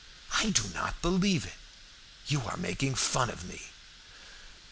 I do not believe it. You are making fun of me."